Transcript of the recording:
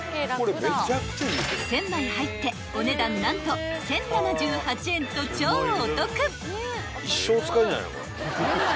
［１，０００枚入ってお値段何と１，０７８円と超お得！］